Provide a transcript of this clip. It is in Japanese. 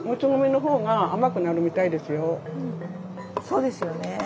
そうですよね。